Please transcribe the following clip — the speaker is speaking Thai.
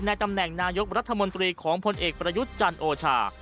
ตำแหน่งนายกรัฐมนตรีของพลเอกประยุทธ์จันทร์โอชา